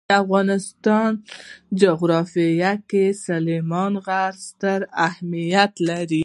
د افغانستان جغرافیه کې سلیمان غر ستر اهمیت لري.